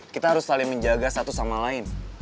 kita harus saling menjaga satu sama lain